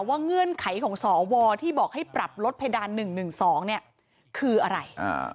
เงื่อนไขของสวที่บอกให้ปรับลดเพดาน๑๑๒เนี่ยคืออะไร